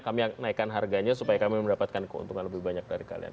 kami naikkan harganya supaya kami mendapatkan keuntungan lebih banyak dari kalian